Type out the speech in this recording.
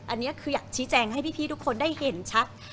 อันนี้คืออยากชี้แจงให้พี่ทุกคนได้เห็นชัด